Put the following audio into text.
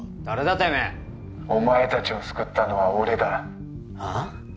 てめえお前達を救ったのは俺だああ？